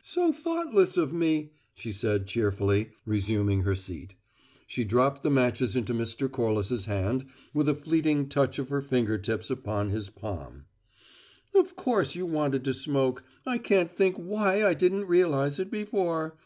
"So thoughtless of me," she said cheerfully, resuming her seat. She dropped the matches into Mr. Corliss's hand with a fleeting touch of her finger tips upon his palm. "Of course you wanted to smoke. I can't think why I didn't realize it before.